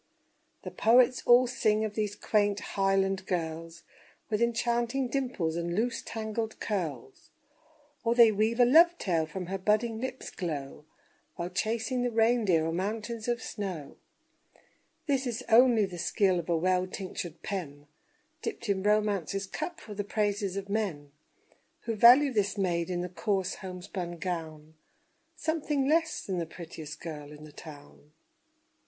The poets all sing of these quaint Highland girls With enchanting dimples and loose tangled curls; Or they weave a love tale from her budding lip's glow While chasing the reindeer o'er mountains of snow; This is only the skill of a well tinctured pen, Dipped in Romance's cup for the praises of men, Who value this maid in the coarse homespun gown Something less than the prettiest girl in the town.